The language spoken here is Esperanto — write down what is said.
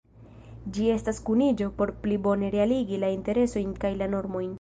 Ĝi estas kuniĝo por pli bone realigi la interesojn kaj la normojn.